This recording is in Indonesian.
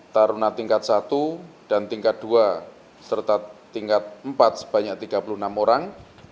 taruna tingkat satu dan tingkat dua serta tingkat empat sebanyak tiga puluh enam orang